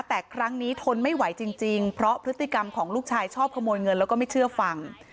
แต่ครั้งนี้ทนไม่ไหวจริงเพราะพฤติกรรมของลูกชายชอบขโมยเงินแล้วก็ไม่เชื่อฟัง